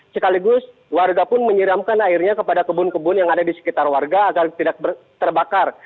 sekaligus warga pun menyiramkan airnya kepada kebun kebun yang ada di sekitar warga agar tidak terbakar